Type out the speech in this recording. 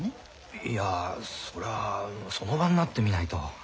いやそらぁその場になってみないと。